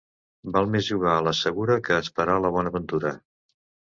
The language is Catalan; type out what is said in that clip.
Val més jugar a la segura que esperar la bona ventura.